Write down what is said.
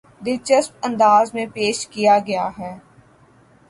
دلچسپ انداز میں پیش کیا گیا ہے